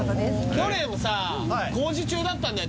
去年さ工事中だったんだよ